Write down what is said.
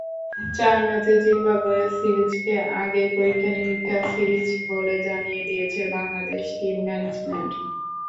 চার ম্যাচের জিম্বাবুয়ে সিরিজকে আগেই পরীক্ষা-নিরীক্ষার সিরিজ বলে জানিয়ে দিয়েছে বাংলাদেশ টিম ম্যানেজমেন্ট।